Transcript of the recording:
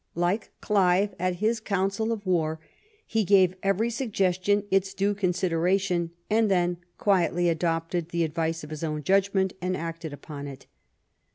Like Clive, at his council of war, he gave every suggestion its due consideration, and then quietly adopted the advice of his own judgment and acted upon it.